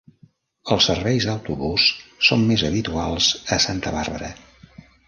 Els serveis d'autobús són més habituals a Santa Barbara.